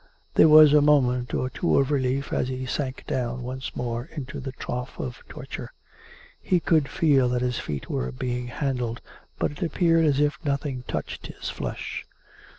... There was a moment or two of relief as he sank down once more into the trough of torture. He could feel that his feet were being handled, but it appeared as if nothing touched bis flesh.